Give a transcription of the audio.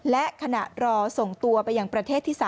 และขณะรอส่งตัวไปยังประเทศที่๓